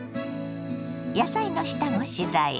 野菜の下ごしらえ。